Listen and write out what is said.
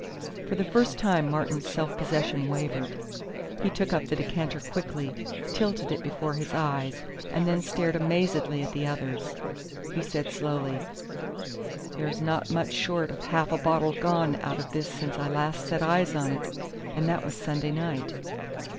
For the first time Martin's self possession wavered. He took up the decanter quickly, tilted it before his eyes, and then stared amazedly at the others. He said slowly: "There's not much short of half a bottle gone out of this since I last set eyes on it and that was Sunday night."